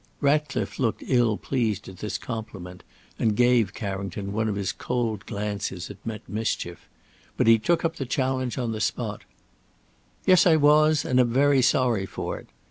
Ratcliffe looked ill pleased at this compliment, and gave Carrington one of his cold glances that meant mischief. But he took up the challenge on the spot: "Yes, I was, and am very sorry for it.